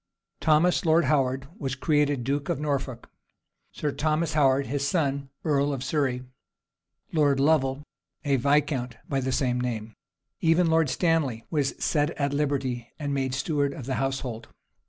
Thomas Lord Howard was created duke of Norfolk; Sir Thomas Howard, his son, earl of Surrey; Lord Lovel, a viscount by the same name; even Lord Stanley was set at liberty, and made steward of the household.